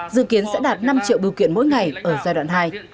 dự kiến sẽ đạt năm triệu bưu kiện mỗi ngày ở giai đoạn hai